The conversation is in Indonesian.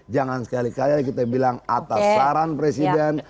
jangan sekali kali kita bilang atas saran presiden